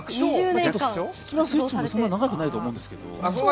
スキマスイッチもそんな長くないと思うんですけれど。